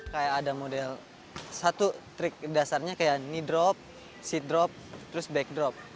kayak ada model satu trik dasarnya kayak knee drop seat drop terus back drop